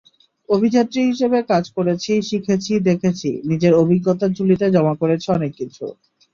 অভিযাত্রী হিসেবে কাজ করেছি, শিখেছি, দেখেছি—নিজের অভিজ্ঞতার ঝুলিতে জমা করেছি অনেক কিছু।